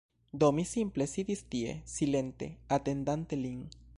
Do, mi simple sidis tie, silente, atendante lin.